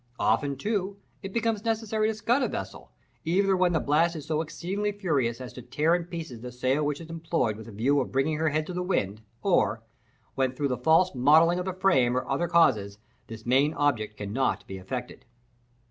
Often, too, it becomes necessary to scud a vessel, either when the blast is so exceedingly furious as to tear in pieces the sail which is employed with a view of bringing her head to the wind, or when, through the false modelling of the frame or other causes, this main object cannot be effected.